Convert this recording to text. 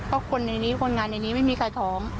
เพราะคนในนี้คนงานในนี้ไม่มีใครท้อง